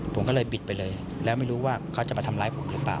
ผมก็เลยบิดไปเลยแล้วไม่รู้ว่าเขาจะมาทำร้ายผมหรือเปล่า